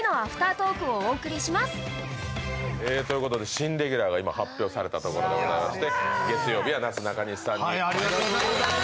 新レギュラーが今発表されたところでございまして月曜日はなすなかにしさんに決まりました。